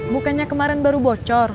bukannya kemarin baru bocor